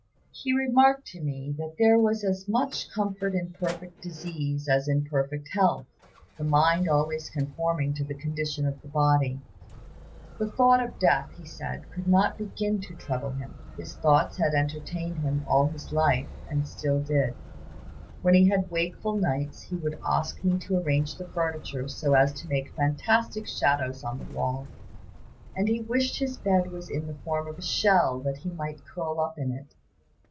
He remarked to me that there was as much comfort in perfect disease as in perfect health, the mind always conforming to the condition of the body. The thought of death, he said, could not begin to trouble him. His thoughts had entertained him all his life, and did still. When he had wakeful nights, he would ask me to arrange the furniture, so as to make fantastic shadows on the wall, and he wished his bed was in the form of a shell that he might curl up in it.